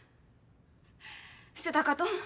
捨てたかと？